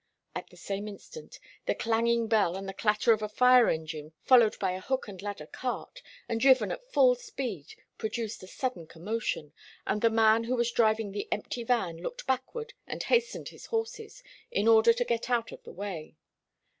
At the same instant the clanging bell and the clatter of a fire engine, followed by a hook and ladder cart, and driven at full speed, produced a sudden commotion, and the man who was driving the empty van looked backward and hastened his horses, in order to get out of the way.